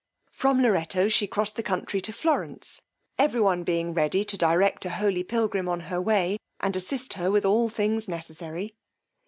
From Lorretto she crossed the country to Florence, every one being ready to direct a holy pilgrim on her way, and assist her with all things necessary.